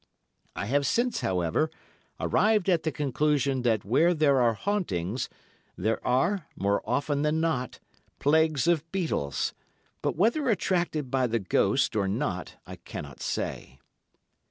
I have since, however, arrived at the conclusion that where there are hauntings, there are, more often than not, plagues of beetles, but whether attracted by the ghost, or not, I cannot say.